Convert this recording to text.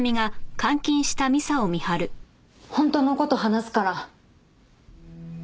本当の事話すから。